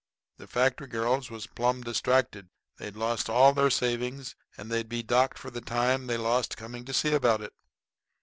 The factory girls was plumb distracted. They'd lost all their savings and they'd be docked for the time they lost coming to see about it.